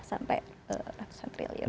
sampai ratusan triliun